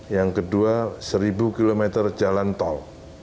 yang kedua seribu km jalan tol